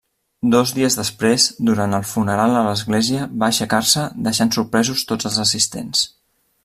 Dos dies després, durant el funeral a l'església, va aixecar-se, deixant sorpresos tots els assistents.